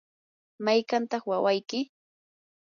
¿mayqantaq wawayki?